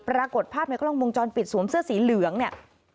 ปรากฏภาพในกล้องวงจรปิดสวมเสื้อสีเหลืองเนี่ย